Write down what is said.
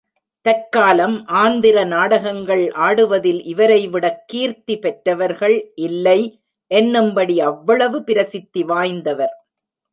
தற்காலம் ஆந்திர நாடகங்கள் ஆடுவதில் இவரைவிடக் கீர்த்தி பெற்றவர்கள் இல்லை என்னும்படி அவ்வளவு பிரசித்தி வாய்ந்தவர்.